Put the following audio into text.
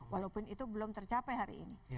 walaupun itu belum tercapai hari ini